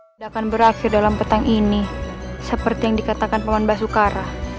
tidak akan berakhir dalam petang ini seperti yang dikatakan pawan basukara